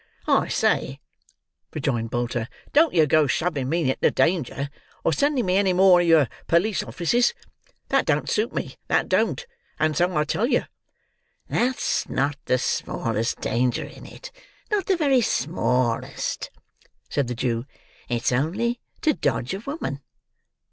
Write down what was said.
"I say," rejoined Bolter, "don't yer go shoving me into danger, or sending me any more o' yer police offices. That don't suit me, that don't; and so I tell yer." "That's not the smallest danger in it—not the very smallest," said the Jew; "it's only to dodge a woman."